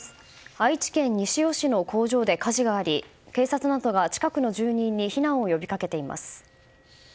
愛知県西尾市の工場で火事があり警察などが近くの住人に避難を呼びかけています。